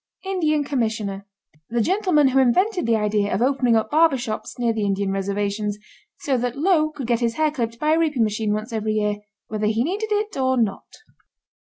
INDIAN COMMISSIONER. The gentleman who invented the idea of opening up barber shops near the Indian reservations, so that Lo could get his hair clipped by a reaping machine once every year, whether he needed it or not.